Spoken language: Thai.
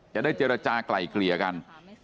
จะได้เจรจากลายเกลี่ยกัน